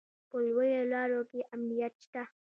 په لویو لارو کې امنیت شته